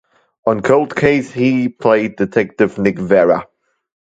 On "Cold Case", he played detective Nick Vera.